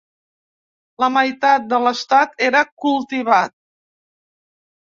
La meitat de l'estat era cultivat.